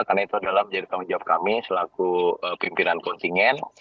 karena itu adalah menjadi tanggung jawab kami selaku pimpinan kontingen